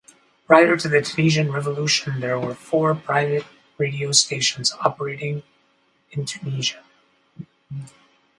Prior to the Tunisian revolution there were four private radio stations operating in Tunisia.